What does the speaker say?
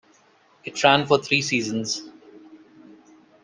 It ran for three seasons.